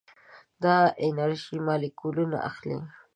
دا انرژي مالیکولونه اخلي.